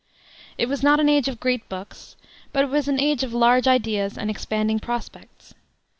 It was not an age of great books, but it was an age of large ideas and expanding prospects.